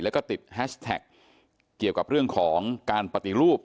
แล้วก็ติดแฮชแท็กเกี่ยวกับเรื่องของการปฏิรูป